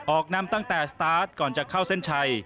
ออกนำตั้งแต่สตาร์ทก่อนจะเข้าเส้นชัย